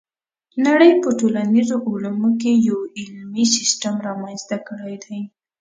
نړۍ په ټولنیزو علومو کې یو علمي سیستم رامنځته کړی دی.